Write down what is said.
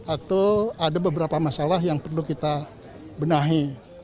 atau ada beberapa masalah yang perlu kita benahi